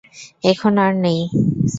এখন আর নেই।